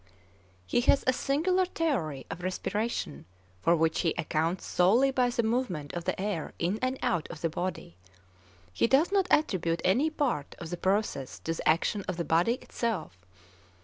He has a singular theory of respiration for which he accounts solely by the movement of the air in and out of the body; he does not attribute any part of the process to the action of the body itself.